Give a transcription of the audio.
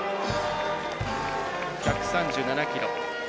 １３７キロ。